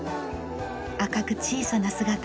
赤く小さな姿。